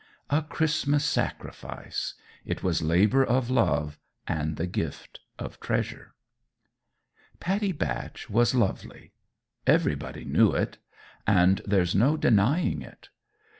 A Christmas sacrifice: it was labour of love and the gift of treasure. Pattie Batch was lovely. Everybody knew it; and there's no denying it.